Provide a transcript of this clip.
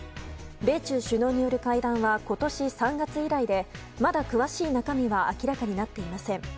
米中首脳による会談は今年３月以来でまだ詳しい中身は明らかになっていません。